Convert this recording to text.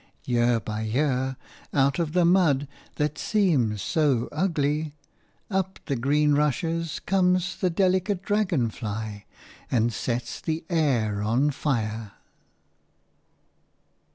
Year by year, out of the mud that seems so ugly, up the green rushes comes the delicate dragon fly, and sets the air on fire.